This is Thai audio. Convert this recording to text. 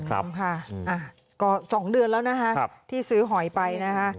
ก็สองเดือนแล้วน่ะนะที่ซื้อหอยไป